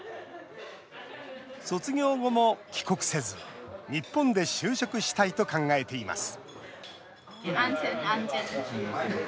卒業後も帰国せず日本で就職したいと考えています